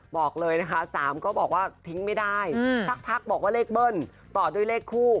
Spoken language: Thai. บอกเลยนะคะ๓ก็บอกว่าทิ้งไม่ได้สักพักบอกว่าเลขเบิ้ลต่อด้วยเลขคู่